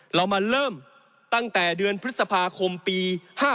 เรามาเริ่มตั้งแต่เดือนพฤษภาคมปี๕๗